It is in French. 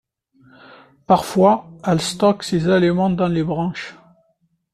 Parfois, elle stocke ses aliments dans les branches.